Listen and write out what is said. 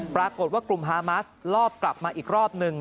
ปรากฏว่ากลุ่มฮามัสลอบกลับมาอีกรอบหนึ่ง